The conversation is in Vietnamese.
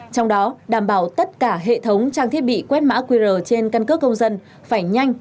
trong đó đảm bảo tất cả hệ thống trang thiết bị quét mã qr trên căn cước công dân phải nhanh